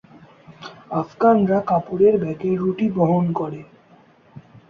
আফগানরা কাপড়ের ব্যাগে রুটি বহন করে।